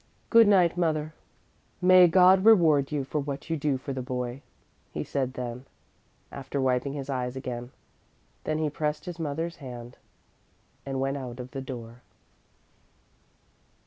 "Good night, mother! May God reward you for what you do for the boy," he said then, after wiping his eyes again. Then he pressed his mother's hand, and went out of the door.